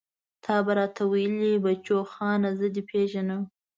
ته به راته ويلې بچوخانه زه دې پېژنم.